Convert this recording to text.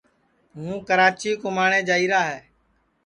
ہوں کراچی کُماٹؔے جائیرا ہے